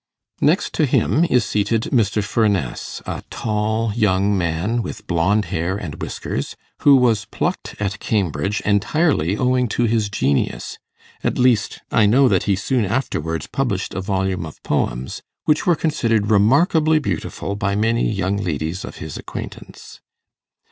Next to him is seated Mr. Furness, a tall young man, with blond hair and whiskers, who was plucked at Cambridge entirely owing to his genius; at least I know that he soon afterwards published a volume of poems, which were considered remarkably beautiful by many young ladies of his acquaintance.